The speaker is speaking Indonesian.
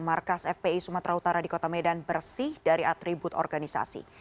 markas fpi sumatera utara di kota medan bersih dari atribut organisasi